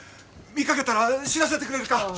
見かけたら知らせてくれるか。